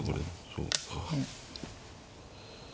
そうか。